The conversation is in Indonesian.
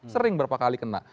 sering berapa kali kena